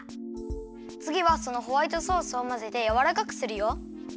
つぎはそのホワイトソースをまぜてやわらかくするよ。